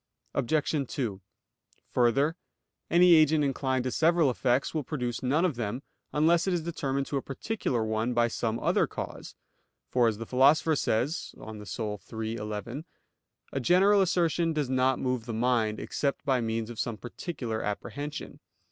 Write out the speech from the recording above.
Obj. 2: Further, any agent inclined to several effects will produce none of them, unless it is determined to a particular one by some other cause; for, as the Philosopher says (De Anima iii, 11), a general assertion does not move the mind, except by means of some particular apprehension.